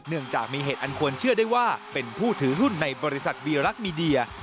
เนื่องจากมีเหตุอันควรเชื่อได้ว่าเป็นผู้ถือหุ้นในบริษัทวีรักมีเดีย